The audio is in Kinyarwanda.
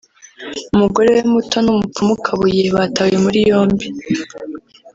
umugore we muto n’umupfumu Kabuye batawe muri yombi